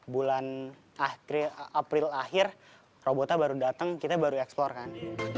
bulan april akhir robotnya baru datang kita baru eksplor kan